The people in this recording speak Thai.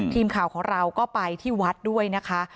ทีมข่าวของเราก็ไปที่วัดด้วยนะคะ